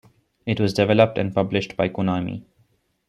It was developed and published by Konami.